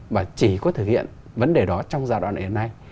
và chỉ có thực hiện vấn đề đó trong giai đoạn này đến nay